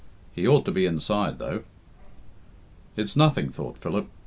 He ought to be inside, though." "It's nothing," thought Philip.